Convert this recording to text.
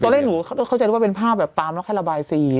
ตัวเล่นอู่เขาจะดูว่าเป็นภาพแบบฟาร์มแล้วแค่ละบายสี